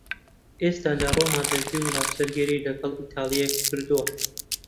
ئێستا لە ڕۆما دەژی و هاوسەرگیریی لەگەڵ ئیتاڵییەک کردووە.